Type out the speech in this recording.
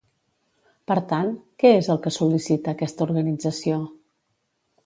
Per tant, què és el que sol·licita aquesta organització?